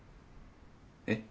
えっ？